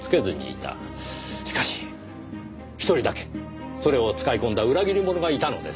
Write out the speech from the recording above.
しかし一人だけそれを使い込んだ裏切り者がいたのです。